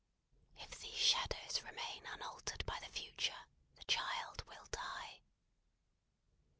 If these shadows remain unaltered by the Future, the child will die."